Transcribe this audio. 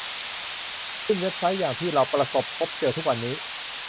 ขึ้นเว็บไซต์อย่างที่เราประสบพบเจอทุกวันนี้